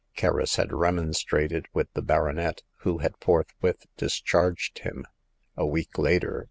Kerris had remonstrated with the baronet, who had forthwith discharged him. A week later.